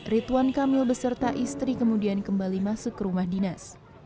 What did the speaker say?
rituan kamil beserta istri kemudian kembali masuk ke rumah dinas